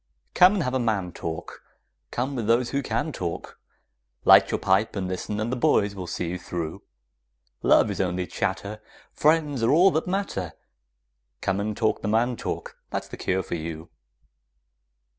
Come and have a man talk; Come with those who can talk; Light your pipe and listen, and the boys will see you through; Love is only chatter, Friends are all that matter; Come and talk the man talk; that's the cure for you!